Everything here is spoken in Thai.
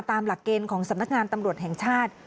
ตามหลักเกณฑ์ของสำนักงานตำรวจแห่งชาติ